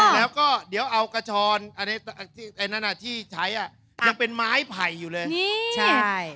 แล้วก็เดี๋ยวเอากระชอนที่ใช้ยังเป็นไม้ไผ่อยู่เลยใช่